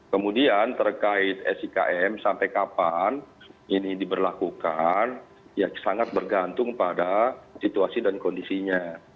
kemudian terkait sikm sampai kapan ini diberlakukan ya sangat bergantung pada situasi dan kondisinya